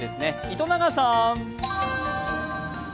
糸永さん。